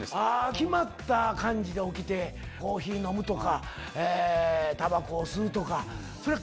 決まった感じで起きてコーヒー飲むとかタバコを吸うとか。